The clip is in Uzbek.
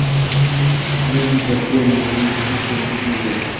Siz bilan birga mehringiz ham koʻmildi.